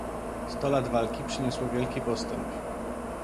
Sto lat walki przyniosło wielki postęp